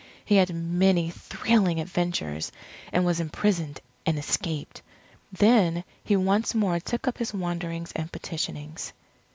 He had many thrilling adventures, and was imprisoned and escaped. Then he once more took up his wanderings and petitionings.